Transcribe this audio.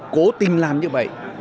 cố tình làm như vậy